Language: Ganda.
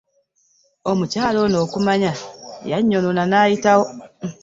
Omukyala ono okumanya yannyonoona n'ayitawo.